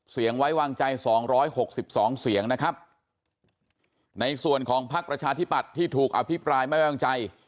เสียงไว้วางใจ๒๖๒เสียงนะครับในส่วนของพักประชาธิปัตย์ที่ถูกอภิปรายไม่วางใจ